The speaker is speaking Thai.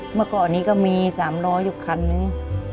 เมื่อก่อนนี้ก็มี๓ล้ออยู่คันนึง